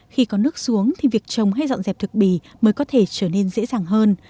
khi có nước xuống thì việc trồng hay dọn dẹp thực bì mới có thể trở nên dễ dàng hơn